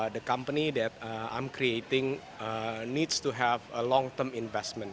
perusahaan yang saya panggil perlu memiliki investment berjalan panjang